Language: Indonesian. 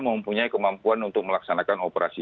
mempunyai kemampuan untuk melaksanakan operasi